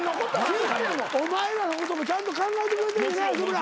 お前らのこともちゃんと考えてくれて安村。